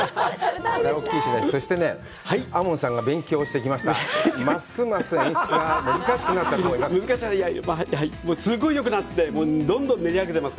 そしてね、亞門さんが勉強してきましたますます演出が難しくなったと思います。